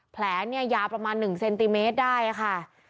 แผลเนี่ยยาวประมาณ๑เซนติเมตรได้ค่ะ